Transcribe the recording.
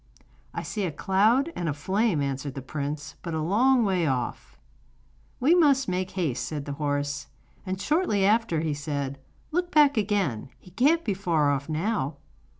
'I see a cloud and a flame,' answered the prince; 'but a long way off.' 'We must make haste,' said the horse. And shortly after he said: 'Look back again; he can't be far off now.